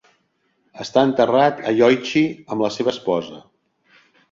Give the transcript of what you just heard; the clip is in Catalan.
Està enterrat a Yoichi amb la seva esposa.